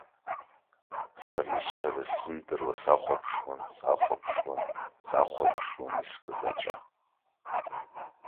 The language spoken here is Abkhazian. Сара исҳәара сзымдыруа сахәаԥшуан, сахәаԥшуан, сахәаԥшуан искыз аҵәа.